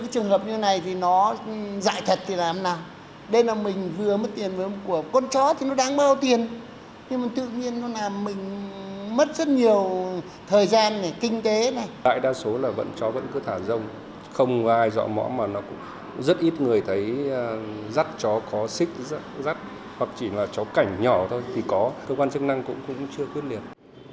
chó có xích rắt hoặc chỉ là chó cảnh nhỏ thôi thì có cơ quan chức năng cũng chưa quyết liệt